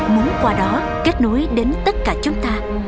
muốn qua đó kết nối đến tất cả chúng ta